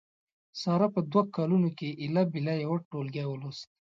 سارې په دوه کالونو کې هیله بیله یو ټولګی ولوست.